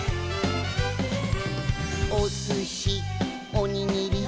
「お寿司おにぎり」「」